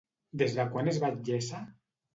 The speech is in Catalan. Des de quan és batllessa?